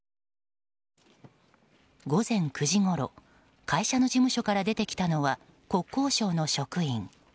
午前９時ごろ会社の事務所から出てきたのは国交省の職員。